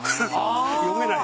読めない。